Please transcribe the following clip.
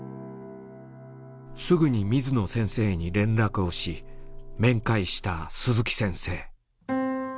すぐに水野先生に連絡をし面会した鈴木先生。